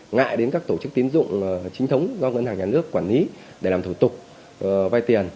ngại đến các tổ chức tiến dụng chính thống do ngân hàng nhà nước quản lý để làm thủ tục vay tiền